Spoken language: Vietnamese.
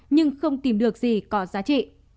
nhưng không tìm được gì có giá trị